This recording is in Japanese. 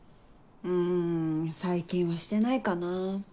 うん最近はしてないかなぁ。